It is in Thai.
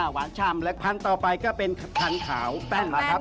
ฉ่ำและพันธุ์ต่อไปก็เป็นพันธุ์ขาวแป้งนะครับ